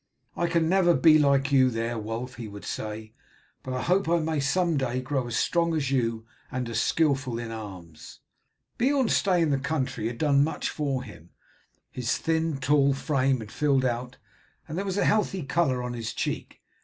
"I can never be like you there, Wulf," he would say, "but I hope I may some day grow as strong as you and as skilful in arms." Beorn's stay in the country had done much for him, his thin tall frame had filled out and there was a healthy colour on his cheek.